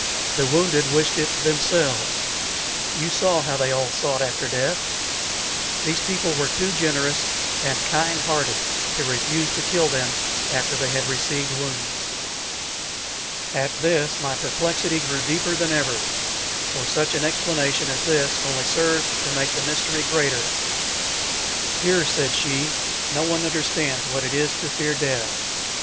The wounded wished it themselves. You saw how they all sought after death. These people were too generous and kind hearted to refuse to kill them after they had received wounds." At this my perplexity grew deeper than ever, for such an explanation as this only served to make the mystery greater. "Here," said she, "no one understands what it is to fear death.